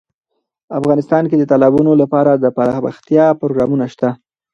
افغانستان کې د تالابونو لپاره دپرمختیا پروګرامونه شته.